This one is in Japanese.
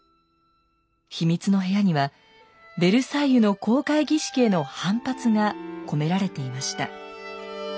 秘密の部屋にはヴェルサイユの公開儀式への反発が込められていました。